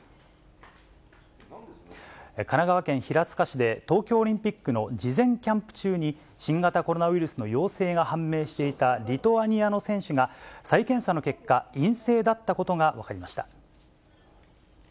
神奈川県平塚市で、東京オリンピックの事前キャンプ中に、新型コロナウイルスの陽性が判明していたリトアニアの選手が、再検査の結果、陰性だったことが分かりました。